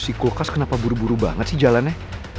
si kulkas kenapa buru buru banget sih jalannya